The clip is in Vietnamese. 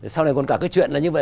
sau này còn cả cái chuyện như vậy